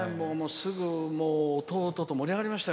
すぐ盛り上がりましたよ。